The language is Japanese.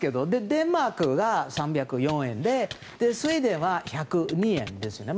デンマークが３０４円でスウェーデンは１０２円ですね。